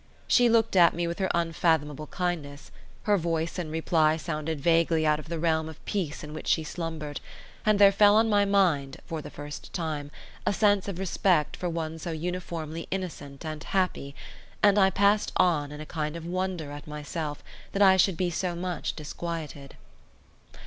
She looked at me with her unfathomable kindness; her voice in reply sounded vaguely out of the realm of peace in which she slumbered, and there fell on my mind, for the first time, a sense of respect for one so uniformly innocent and happy, and I passed on in a kind of wonder at myself, that I should be so much disquieted.